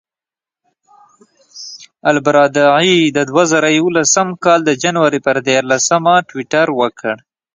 البرادعي د دوه زره یولسم کال د جنورۍ پر دیارلسمه ټویټر وکړ.